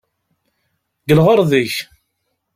Deg lɣeṛḍ-ik!